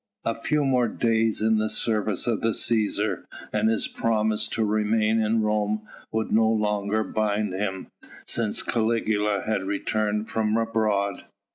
A few more days in the service of the Cæsar, and his promise to remain in Rome would no longer bind him, since Caligula had returned from abroad.